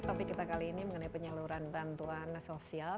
topik kita kali ini mengenai penyaluran bantuan sosial